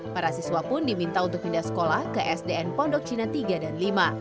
para siswa pun diminta untuk pindah sekolah ke sdn pondok cina tiga dan lima